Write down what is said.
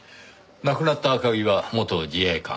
亡くなった赤城は元自衛官。